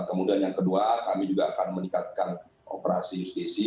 kemudian yang kedua kami juga akan meningkatkan operasi justisi